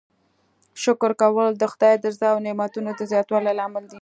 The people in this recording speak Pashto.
شکر کول د خدای د رضا او نعمتونو د زیاتوالي لامل دی.